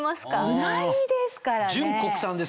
うなぎですからね。